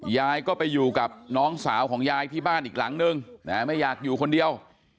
ยายก็ไปอยู่กับน้องสาวของยายที่บ้านอีกหลังนึงไม่อยากอยู่คนเดียว